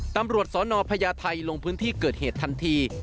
ตำรวจสนพญาไทยลงพื้นที่เกิดเหตุทันที